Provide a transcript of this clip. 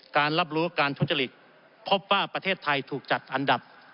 การรับรู้การทุจริตพบว่าประเทศไทยถูกจัดอันดับ